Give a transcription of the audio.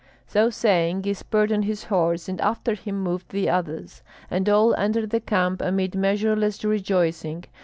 So saying, he spurred on his horse, and after him moved the others; and all entered the camp amid measureless rejoicing.